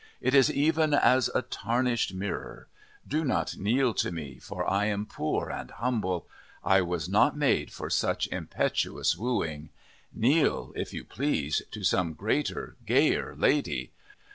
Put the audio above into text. It is even as a tarnished mirror. Do not kneel to me, for I am poor and humble. I was not made for such impetuous wooing. Kneel, if you please, to some greater, gayer lady.